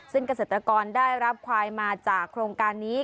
ซึ่งเกษตรกรได้รับควายมาจากโครงการนี้